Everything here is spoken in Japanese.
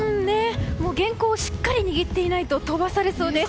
原稿をしっかり握っていないと飛ばされそうです。